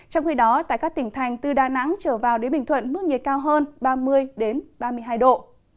trong khi đó tại các tỉnh thành từ đà nẵng trở vào đến bình thuận mức nhiệt cao hơn ba mươi ba mươi hai độ